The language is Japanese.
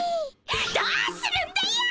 どうするんだよ！